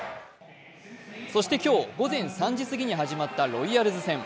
そして今日、午前３時過ぎに始まったロイヤルズ戦。